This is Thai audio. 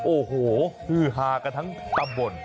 โอ้โหฮือฮากันทั้งตำบล